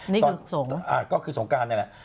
นี่คือสงฆ์อ่าก็คือสงฆ์กันเนี่ยแหละ